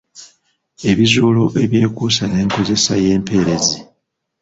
Ebizuulo ebyekuusa n’enkozesa y’empeerezi.